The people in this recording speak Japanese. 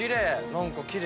何か奇麗。